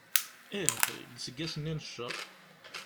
Ih, deg useggas-nni n cceṛ.